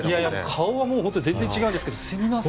顔は全然違うんですがすみません。